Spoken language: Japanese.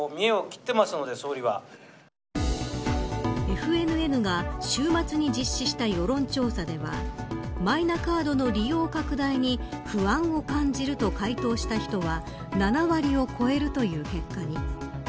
ＦＮＮが週末に実施した世論調査ではマイナカードの利用拡大に不安を感じると回答した人は７割を超えるという結果に。